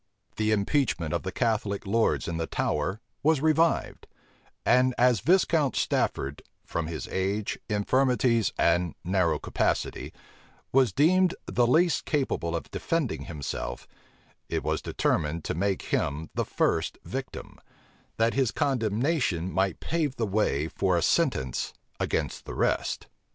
The impeachment of the Catholic lords in the Tower was revived; and as Viscount Stafford, from his age, infirmities, and narrow capacity, was deemed the least capable of defending himself, it was determined to make him the first victim, that his condemnation might pave the way for a sentence against the rest.